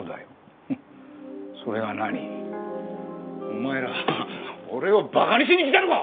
お前ら俺をバカにしに来たのか！？